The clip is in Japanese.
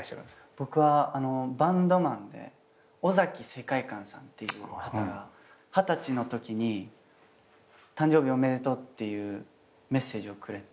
僕はバンドマンで尾崎世界観さんっていう方が二十歳のときに誕生日おめでとうっていうメッセージをくれて。